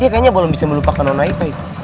dia kayaknya belum bisa melupakan nona ipa itu